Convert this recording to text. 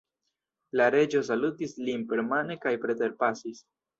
La Reĝo salutis lin permane kaj preterpasis.